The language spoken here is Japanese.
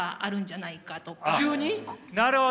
なるほど。